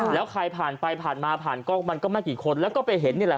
แล้วใครผ่านไปผ่านมาผ่านกล้องมันก็ไม่กี่คนแล้วก็ไปเห็นนี่แหละ